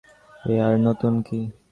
এ আর নতুন কি।